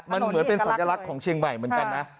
มันเหมือนเป็นสัญลักษณ์ของเชียงใหม่เหมือนกันนะ